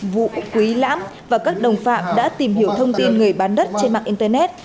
vũ quý lãm và các đồng phạm đã tìm hiểu thông tin người bán đất trên mạng internet